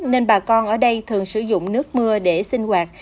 nên bà con ở đây thường sử dụng nước mưa để sinh hoạt